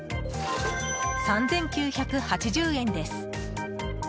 ３９８０円です。